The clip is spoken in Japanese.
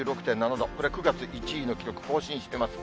これ、９月１位の記録、更新してます。